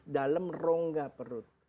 dalam rongga perut